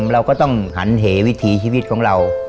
เราก็ต้องหันเหวิถีชีวิตของเรา